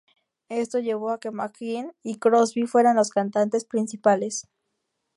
Esto llevó a que McGuinn y Crosby fueran los cantantes principales.